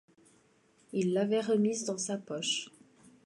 Il l'avait remise dans sa poche.